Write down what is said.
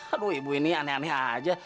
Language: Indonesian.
aduh ibu ini aneh aneh aja